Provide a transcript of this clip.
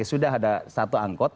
sudah ada satu angkot